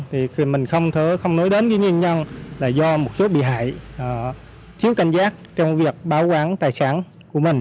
thì khi mình không nói đến những nhân nhân là do một số bị hại thiếu cảnh giác trong việc bảo quản tài sản của mình